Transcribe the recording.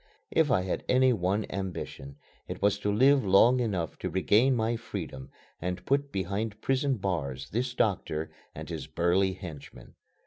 If I had any one ambition it was to live long enough to regain my freedom and put behind prison bars this doctor and his burly henchmen.